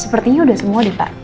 sepertinya udah semua nih pak